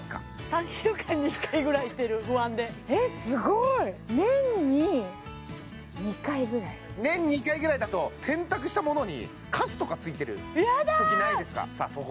３週間に１回ぐらいしてる不安でえっすごい年２回ぐらいだと洗濯したものにカスとかついてるときないですかやだ！